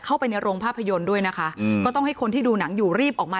เข้าไปในโรงภาพยนตร์ด้วยนะคะอืมก็ต้องให้คนที่ดูหนังอยู่รีบออกมา